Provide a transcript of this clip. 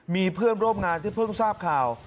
มีเพื่อนร่วมงานที่เพิ่งทราบข่าว